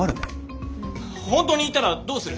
本当にいたらどうする？